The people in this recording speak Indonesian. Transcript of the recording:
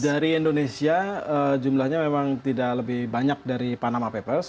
dari indonesia jumlahnya memang tidak lebih banyak dari panama papers